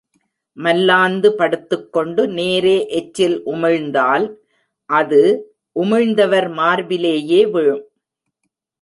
மல்லாந்து படுத்துக் கொண்டு நேரே எச்சில் உமிழ்ந்தால், அது, உமிழ்ந்தவர் மார்பிலேயே விழும்.